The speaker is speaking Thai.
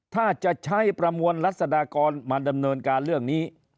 ถ้าจะใช้ประมวลรัศดากรมาดำเนินการเรื่องนี้